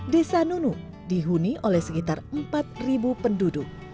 desa nunuk dihuni oleh sekitar empat penduduk